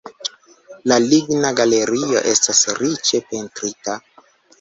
La ligna galerio estas riĉe pentrita.